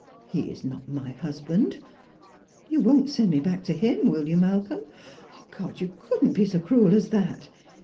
He is not my husband. You won't send me back to Mm, will you, Malcolm? God, you could not be so cruel as that!